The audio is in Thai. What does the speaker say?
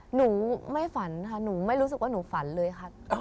หนูไม่ฝันค่ะหนูไม่รู้สึกว่าหนูฝันเลยค่ะ